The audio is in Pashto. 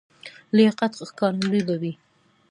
لیاقت ښکارندوی به وي.